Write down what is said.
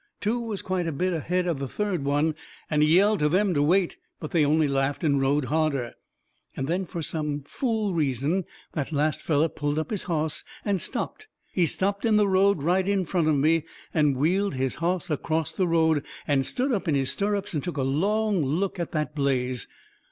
Two was quite a bit ahead of the third one, and he yelled to them to wait. But they only laughed and rode harder. And then fur some fool reason that last feller pulled up his hoss and stopped. He stopped in the road right in front of me, and wheeled his hoss acrost the road and stood up in his stirrups and took a long look at that blaze.